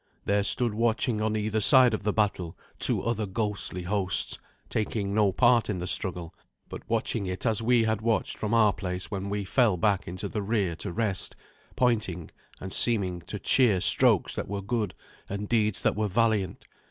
There stood watching on either side of the battle two other ghostly hosts, taking no part in the struggle, but watching it as we had watched from our place when we fell back into the rear to rest, pointing and seeming to cheer strokes that were good and deeds that were valiant.